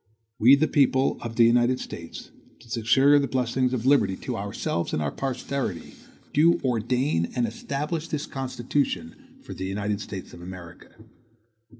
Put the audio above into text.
"WE, THE PEOPLE of the United States, to secure the blessings of liberty to ourselves and our posterity, do ordain and establish this Constitution for the United States of America."